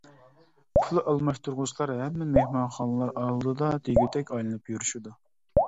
پۇل ئالماشتۇرغۇچىلار ھەممە مېھمانخانىلار ئالدىدا دېگۈدەك ئايلىنىپ يۈرۈشىدۇ.